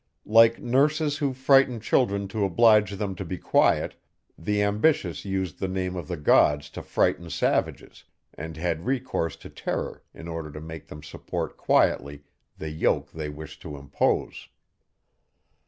Like nurses who frighten children to oblige them to be quiet, the ambitious used the name of the gods to frighten savages; and had recourse to terror in order to make them support quietly the yoke they wished to impose.